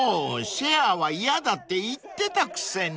シェアは嫌だって言ってたくせに］